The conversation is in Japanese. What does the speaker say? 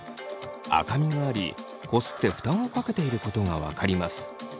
赤みがありこすって負担をかけていることが分かります。